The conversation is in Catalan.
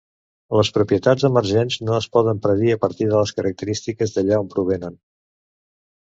Les propietats emergents no es poden predir a partir de les característiques d'allà on provenen.